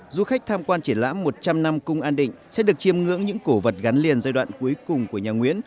du khách tham quan triển lãm một trăm linh năm cung an định sẽ được chiêm ngưỡng những cổ vật gắn liền giai đoạn cuối cùng của nhà nguyễn